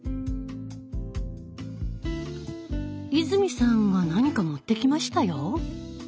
泉さんが何か持ってきましたよ。